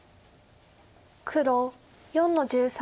黒４の十三。